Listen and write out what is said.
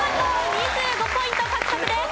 ２５ポイント獲得です。